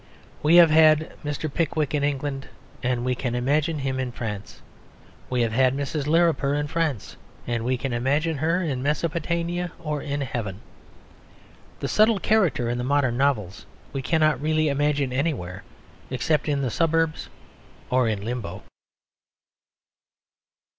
We have had Mr. Pickwick in England and we can imagine him in France. We have had Mrs. Lirriper in France and we can imagine her in Mesopotamia or in heaven. The subtle character in the modern novels we cannot really imagine anywhere except in the suburbs or in Limbo.